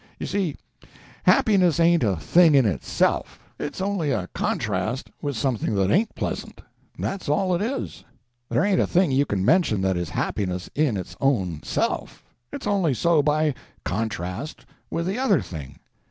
You see, happiness ain't a thing in itself—it's only a contrast with something that ain't pleasant. That's all it is. There ain't a thing you can mention that is happiness in its own self—it's only so by contrast with the other thing.